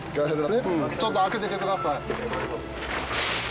ちょっと開けてみてください。